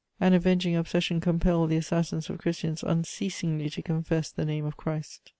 An avenging obsession compelled the assassins of Christians unceasingly to confess the name of Christ.